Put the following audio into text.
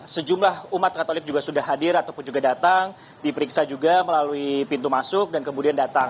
sejumlah umat katolik juga sudah hadir ataupun juga datang diperiksa juga melalui pintu masuk dan kemudian datang